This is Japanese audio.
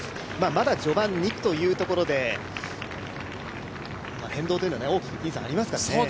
まだ序盤２区というところで変動は大きくありますからね。